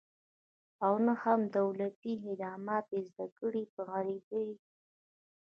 او نه هم دولتي خدمات یې زده کړې په عربي دي